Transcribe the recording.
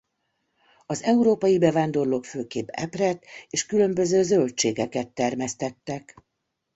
Az európai bevándorlók főképp epret és különböző zöldségeket termesztettek.